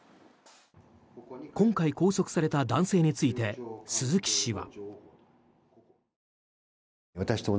今回拘束された男性について鈴木氏は。